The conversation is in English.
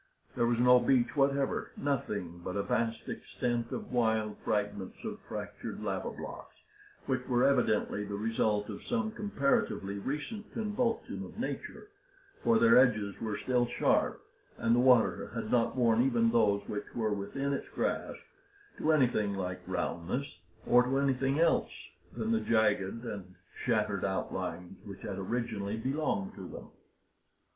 There was no beach whatever nothing but a vast extent of wild fragments of fractured lava blocks, which were evidently the result of some comparatively recent convulsion of nature, for their edges were still sharp, and the water had not worn even those which were within its grasp to anything like roundness, or to anything else than the jagged and shattered outlines which had originally belonged to them.